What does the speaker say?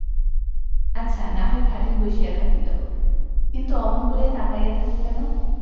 আচ্ছা, নাহয় ঘাটেই বসিয়া থাকিল, কিন্তু অমন করিয়া তাকাইয়া থাকে কেন।